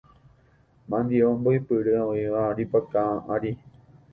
Mandi'o mbo'ipyre oĩva aripaka ári.